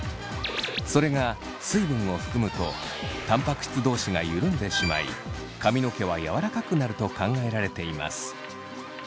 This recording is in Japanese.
それが水分を含むとタンパク質同士が緩んでしまい髪の毛は柔らかくなると考えられています。